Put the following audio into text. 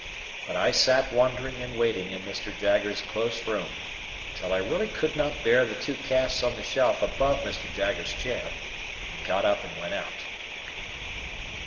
But I sat wondering and waiting in Mr. Jaggers's close room, until I really could not bear the two casts on the shelf above Mr. Jaggers's chair, and got up and went out.